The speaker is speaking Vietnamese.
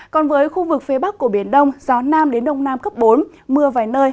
còn với khu vực phía bắc của biển đông gió nam đến đông nam cấp bốn mưa vài nơi